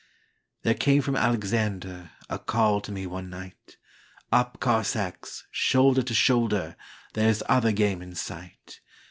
There came from AlexanderA call to me one night:"Up, Cossacks, shoulder to shoulder! There 's other game in sight!